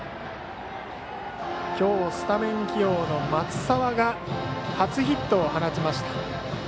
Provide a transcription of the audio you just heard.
今日スタメン起用の松澤が初ヒットを放ちました。